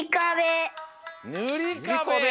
ぬりかべ！